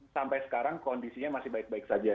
sampai sekarang kondisinya masih baik baik saja